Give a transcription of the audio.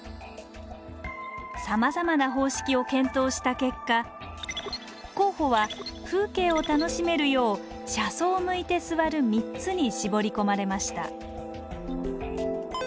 さまざまな方式を検討した結果候補は風景を楽しめるよう車窓を向いて座る３つに絞り込まれました。